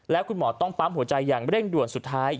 แล้วคุณหมอต้องปั๊มหัวใจอย่างเร่งด่วนสุดท้าย